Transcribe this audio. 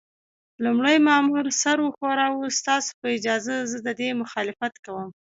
لومړي مامور سر وښوراوه: ستاسو په اجازه، زه د دې مخالفت کوم.